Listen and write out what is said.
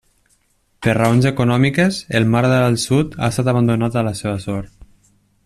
Per raons econòmiques, el mar d'Aral Sud ha estat abandonat a la seva sort.